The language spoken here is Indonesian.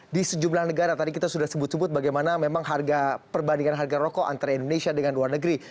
di sejumlah negara tadi kita sudah sebut sebut bagaimana memang harga perbandingan harga rokok antara indonesia dengan luar negeri